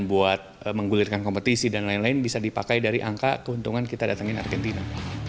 buat menggulirkan kompetisi dan lain lain bisa dipakai dari angka keuntungan kita datangin argentina